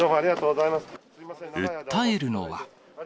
訴えるのは。